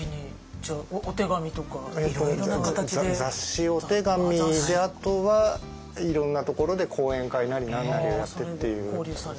雑誌お手紙であとはいろんなところで講演会なり何なりをやってっていう。